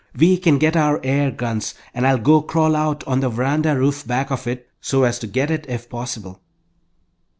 We can get our air guns, and I'll go crawl out on the veranda roof back of it, so as to get it if possible."